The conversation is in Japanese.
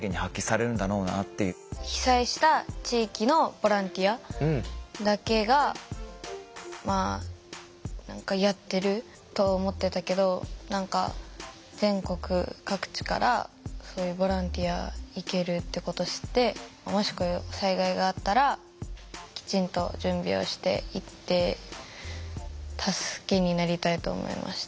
被災した地域のボランティアだけが何かやってると思ってたけど全国各地からそういうボランティア行けるってこと知ってもしこういう災害があったらきちんと準備をして行って助けになりたいと思いました。